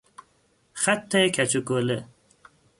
خط کج و کوله